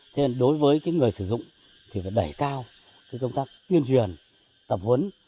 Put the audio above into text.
cho nên đối với người sử dụng thì phải đẩy cao công tác tuyên truyền tập huấn